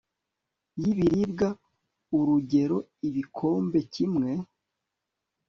y'ibiribwa, urugero ibikombe kimwe